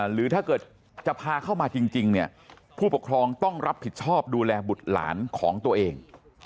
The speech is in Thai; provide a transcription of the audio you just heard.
หรือถ้าเกิดจะพาเข้ามาจริงเนี่ยผู้ปกครองต้องรับผิดชอบดูแลบุตรหลานของตัวเอง